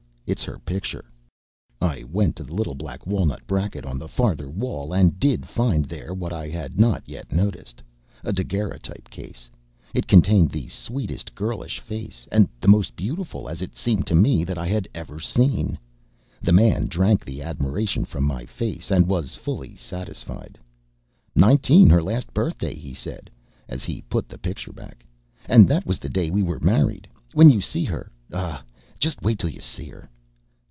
It's her picture." I went to the little black walnut bracket on the farther wall, and did find there what I had not yet noticed a daguerreotype case. It contained the sweetest girlish face, and the most beautiful, as it seemed to me, that I had ever seen. The man drank the admiration from my face, and was fully satisfied. "Nineteen her last birthday," he said, as he put the picture back; "and that was the day we were married. When you see her ah, just wait till you see her!"